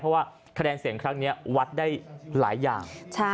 เพราะว่าคะแนนเสียงครั้งนี้วัดได้หลายอย่าง